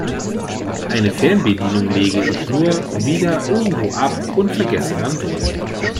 Eine Fernbedienung lege ich nur wieder irgendwo ab und vergesse dann wo.